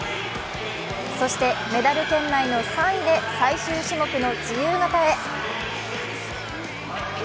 そしてメダル圏内の３位で最終種目の自由形へ。